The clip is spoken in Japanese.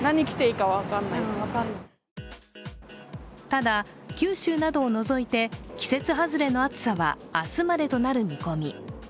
ただ九州などを除いて季節外れの暑さは明日までとなる見込み。